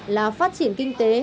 là phát triển kinh tế